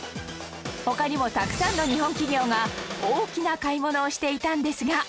他にもたくさんの日本企業が大きな買い物をしていたんですが